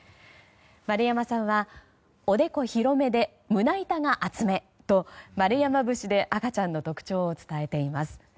丸山さんは「おでこ広めで胸板が厚め」と丸山節で赤ちゃんの特徴を伝えています。